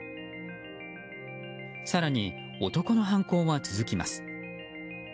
更に男の犯行は続きます。